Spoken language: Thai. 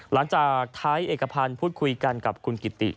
หลังจากไทยเอกพันธ์พูดคุยกันกับคุณกิติ